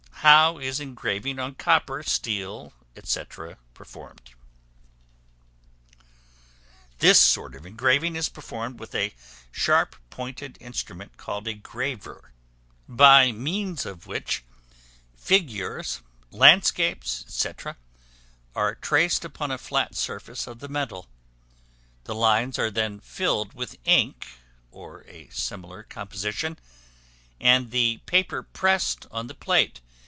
How is engraving on copper, steel, &c., performed? This sort of engraving is performed with a sharp pointed instrument called a graver, by means of which figures, landscapes, &c., are traced upon a flat surface of the metal: the lines are then filled with ink or a similar composition, and the paper pressed on the plate.